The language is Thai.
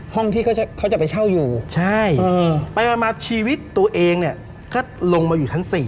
ที่เขาจะไปเช่าอยู่ใช่ไปมาชีวิตตัวเองเนี่ยก็ลงมาอยู่ชั้น๔